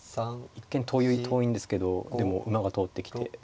一見遠いんですけどでも馬が通ってきて。